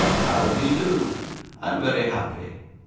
'How de do? I'm very happy.